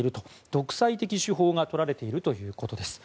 独裁的手法がとられているということです。